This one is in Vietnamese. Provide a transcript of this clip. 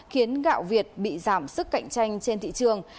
khiến gạo việt bị giảm sức cạnh tranh trên thị trường